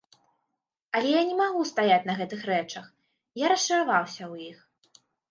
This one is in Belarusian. Але я не магу стаяць на гэтых рэчах, я расчараваўся ў іх.